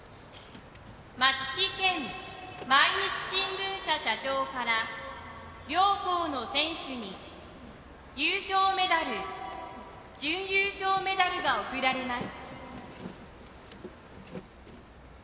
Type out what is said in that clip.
松木健毎日新聞社社長から両校の選手に優勝メダル準優勝メダルが贈られます。